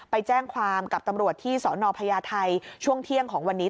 ไปแจ้งความกับตำรวจที่สนพญาไทยช่วงเที่ยงของวันนี้